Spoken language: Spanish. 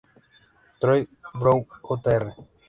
Troy Brown Jr.